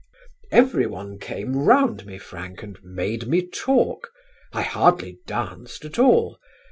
"Everyone came round me, Frank, and made me talk. I hardly danced at all.